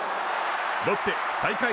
ロッテ、最下位